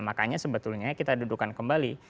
makanya sebetulnya kita dudukan kembali